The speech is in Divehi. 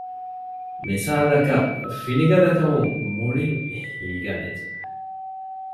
މިސާލަކަށް ފިނިގަދަކަމުން މުޅިން ހީގަނެއްޖެ